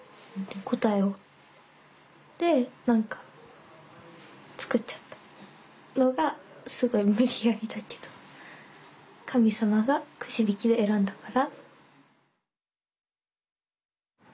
で何かつくっちゃったのがすごい無理やりだけど神さまがくじびきで選んだから。